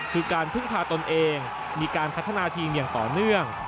คือการพึ่งพาตนเองมีการพัฒนาทีมอย่างต่อเนื่อง